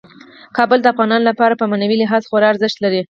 کابل د افغانانو لپاره په معنوي لحاظ خورا ارزښت لري.